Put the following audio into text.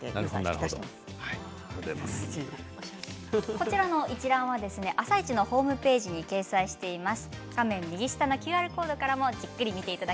こちらの一覧は「あさイチ」のホームページにもまとめてあります。